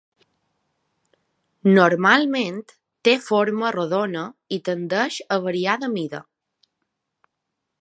Normalment té forma rodona i tendeix a variar de mida.